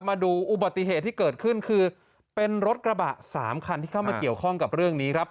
มาดูอุบัติเหตุที่เกิดขึ้นคือเป็นรถกระบะสามคันที่เข้ามาเกี่ยวข้องกับเรื่องนี้ครับ